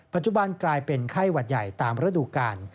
ปัจจุบันกลายเป็นไข้หวัดใหญ่ตามฤดูกาล